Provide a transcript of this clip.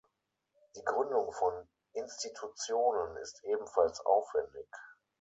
Die Gründung von Institutionen ist ebenfalls aufwendig.